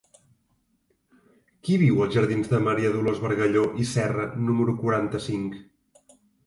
Qui viu als jardins de Maria Dolors Bargalló i Serra número quaranta-cinc?